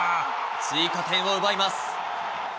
追加点を奪います。